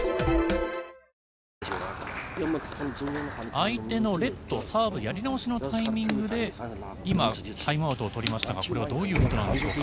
相手のレットサーブやり直しのタイミングで今、タイムアウトをとりましたがこれはどういうことなんでしょうか。